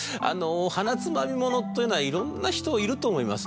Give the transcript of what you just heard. はなつまみ者というのは色んな人いると思います。